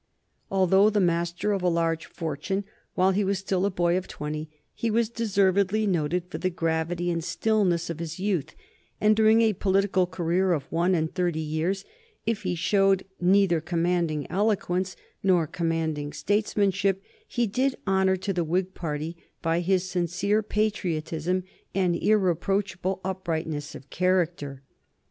Although the master of a large fortune, while he was still a boy of twenty he was deservedly noted for the gravity and stillness of his youth, and during a political career of one and thirty years, if he showed neither commanding eloquence nor commanding statesmanship, he did honor to the Whig party by his sincere patriotism and irreproachable uprightness of character.